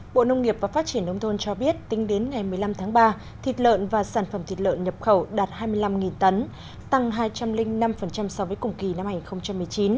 bộ nông nghiệp và phát triển nông thôn cho biết tính đến ngày một mươi năm tháng ba thịt lợn và sản phẩm thịt lợn nhập khẩu đạt hai mươi năm tấn tăng hai trăm linh năm so với cùng kỳ năm hai nghìn một mươi chín